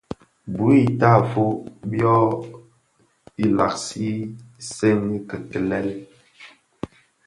Bui i tagà byom,i làgsi senji kilel.